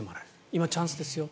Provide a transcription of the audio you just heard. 今、チャンスですよ。